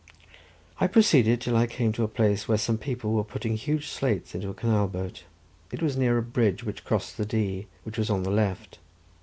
I proceeded till I came to a place where some people were putting huge slates into a canal boat. It was near a bridge which crossed the Dee, which was on the left.